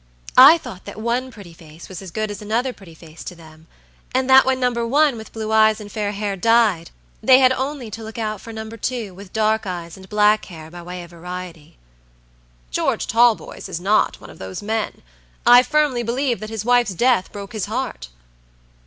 I thought that one pretty face was as good as another pretty face to them; and that when number one with blue eyes and fair hair died, they had only to look out for number two, with dark eyes and black hair, by way of variety." "George Talboys is not one of those men. I firmly believe that his wife's death broke his heart."